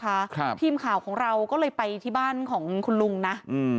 ครับทีมข่าวของเราก็เลยไปที่บ้านของคุณลุงนะอืม